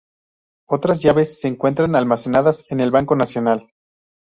Otras llaves se encuentran almacenadas en el Banco Nacional.